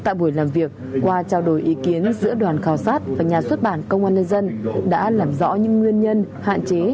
tại buổi làm việc qua trao đổi ý kiến giữa đoàn khảo sát và nhà xuất bản công an nhân dân đã làm rõ những nguyên nhân hạn chế